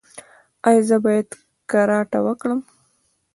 ایا زه باید کراټه وکړم؟